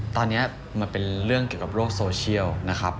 ตอนนี้มันเป็นเรื่องเกี่ยวกับโลกโซเชียลนะครับ